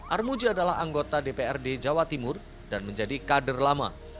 armuji adalah anggota dprd jawa timur dan menjadi kader lama